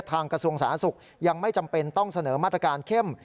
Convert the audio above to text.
กระทรวงสาธารณสุขยังไม่จำเป็นต้องเสนอมาตรการเข้ม